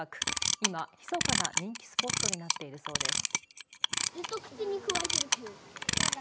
今、ひそかな人気スポットになっているそうです。